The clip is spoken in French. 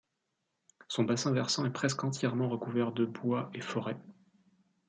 Son bassin versant est presque entièrement recouvert de bois et forêts.